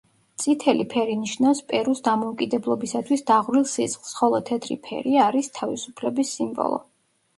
წითელი ფერი ნიშნავს პერუს დამოუკიდებლობისათვის დაღვრილ სისხლს, ხოლო თეთრი ფერი არის თავისუფლების სიმბოლო.